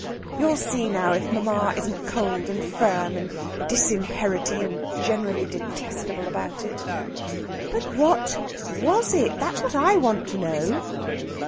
You'll see now if mamma isn't cold and firm and disinherity and generally detestable about it." "But what was it? That's what I want to know."